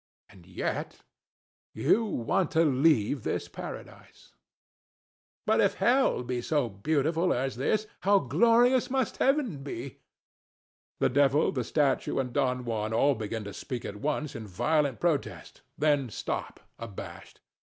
And yet you want to leave this paradise! ANA. But if Hell be so beautiful as this, how glorious must heaven be! The Devil, the Statue, and Don Juan all begin to speak at once in violent protest; then stop, abashed. DON JUAN.